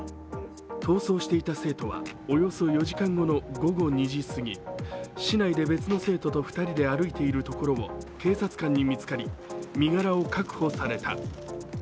逃走していた生徒はおよそ４時間後の午後２時すぎ、市内で別の生徒と２人で歩いているところを警察官に見つかり身柄を確保された。